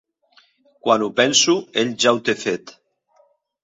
Quan ho penso, ell ja ho té fet.